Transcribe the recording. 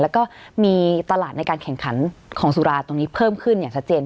แล้วก็มีตลาดในการแข่งขันของสุราตรงนี้เพิ่มขึ้นอย่างชัดเจน